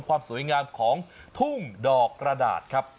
ความสวยงามของทุ่งดอกกระดาษครับ